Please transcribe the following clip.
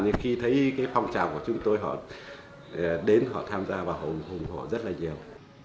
nhưng khi thấy phong trào của chúng tôi họ đến họ tham gia và hồng hồ rất nhiều